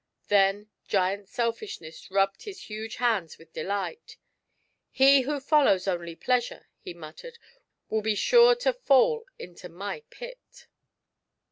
Then Giant Selfishness rubbed his huge hands with delight. "He who follows only Pleasure," he muttered, "will be sure to fall into my pit."